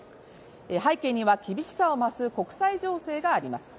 背景には厳しさを増す国際情勢があります。